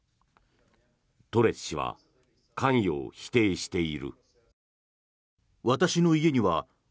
トレス氏は関与を否定している。